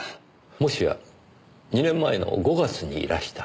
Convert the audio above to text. もしや２年前の５月にいらした。